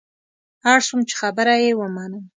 اړ شوم چې خبره یې ومنم.